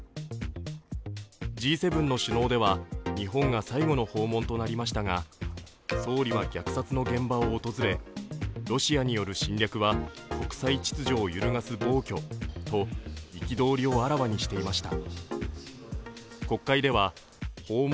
Ｇ７の首脳では日本が最後の訪問となりましたが総理は虐殺の現場を訪れロシアによる侵略は国際秩序を揺るがす暴挙と憤りをあらわにしていました。